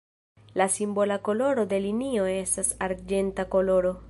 La simbola koloro de linio estas arĝenta koloro.